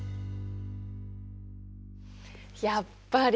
やっぱり。